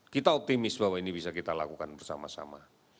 kita optimis bahwa ini bisa kita lakukan bersama sama